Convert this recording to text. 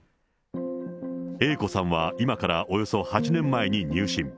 Ａ子さんは今からおよそ８年前に入信。